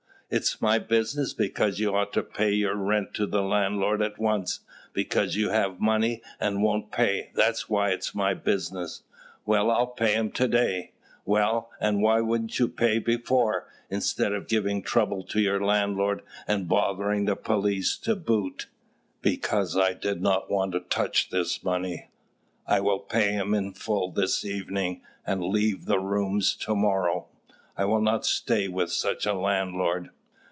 "It's my business because you ought to pay your rent to the landlord at once; because you have money, and won't pay, that's why it's my business." "Well, I will pay him to day." "Well, and why wouldn't you pay before, instead of giving trouble to your landlord, and bothering the police to boot?" "Because I did not want to touch this money. I will pay him in full this evening, and leave the rooms to morrow. I will not stay with such a landlord."